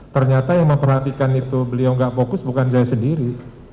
ternyata yang memperhatikan itu beliau nggak fokus bukan saya sendiri